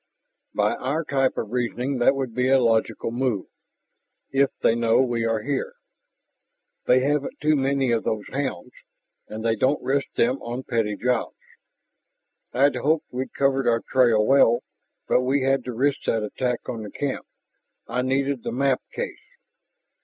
"By our type of reasoning, that would be a logical move if they know we are here. They haven't too many of those hounds, and they don't risk them on petty jobs. I'd hoped we'd covered our trail well. But we had to risk that attack on the camp.... I needed the map case!"